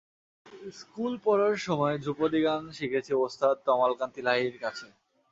School পড়ার সময়ে ধ্রুপদি গান শিখেছি ওস্তাদ তমাল কান্তি লাহিড়ীর কাছে।